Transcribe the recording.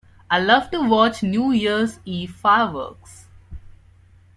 I love to watch New Year's Eve fireworks.